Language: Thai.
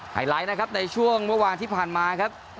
ไลท์นะครับในช่วงเมื่อวานที่ผ่านมาครับ